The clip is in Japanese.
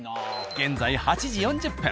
現在８時４０分。